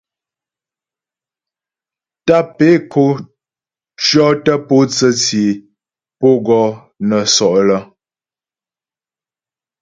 Tàp é ko cyɔtə pǒtsə tsyé pǒ gɔ nə́ sɔ' lə́.